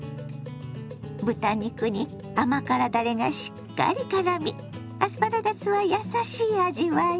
豚肉に甘辛だれがしっかりからみアスパラガスはやさしい味わい。